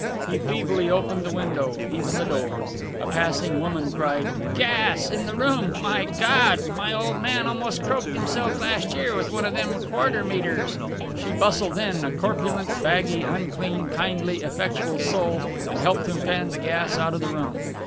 He feebly opened the window, even the door. A passing woman cried, "Gas in the room! My Gawd! my old man almost croaked himself last year with one of them quarter meters." She bustled in, a corpulent, baggy, unclean, kindly, effectual soul, and helped him fan the gas out of the room.